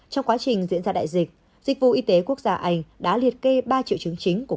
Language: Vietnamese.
trong quá trình diễn ra đại dịch dịch vụ y tế quốc gia anh đã liệt kê ba triệu chứng chính của